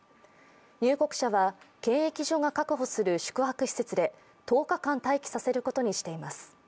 入国者は検疫所が確保する宿泊施設で１０日間待機させることにしています。